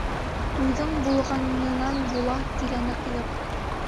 Туйҙың булғанынан «була» тигәне ҡыҙыҡ.